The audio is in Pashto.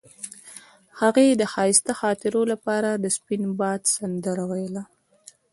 هغې د ښایسته خاطرو لپاره د سپین باد سندره ویله.